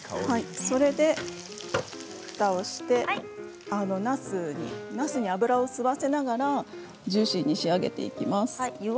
ふたをしてなすに油を吸わせながらジューシーに仕上げていきます。